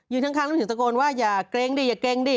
ยืนทางข้างแล้วถึงสะโกนว่าอย่าเกรงดิอย่าเกรงดิ